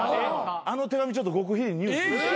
あの手紙ちょっと極秘で入手して。